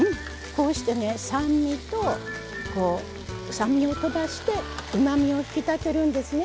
こうしてね酸味とこう酸味をとばしてうまみを引き立てるんですね。